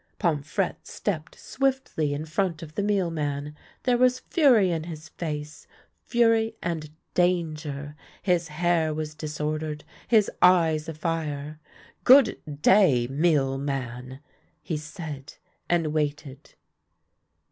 Pomfrette stepped swiftly in front of the mealman. There was fury in his face — fury and danger ; his hair was disordered, his eyes afire. " Good day, mealman," he said, and waited.